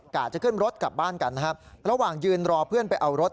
จะขึ้นรถกลับบ้านกันนะครับระหว่างยืนรอเพื่อนไปเอารถ